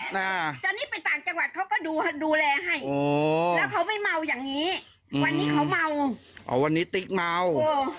วันนี้เขาเมาอ๋อวันนี้ติ๊กเมาเออ